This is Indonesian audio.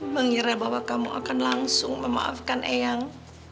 mengira bahwa kamu akan langsung memaafkan eyang